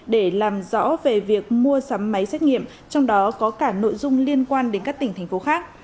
để làm rõ về việc mua sắm máy xét nghiệm trong đó có cả nội dung liên quan đến các tỉnh thành phố khác